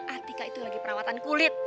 atika itu lagi perawatan kulit